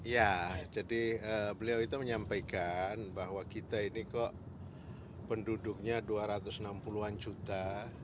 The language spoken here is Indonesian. ya jadi beliau itu menyampaikan bahwa kita ini kok penduduknya dua ratus enam puluh an juta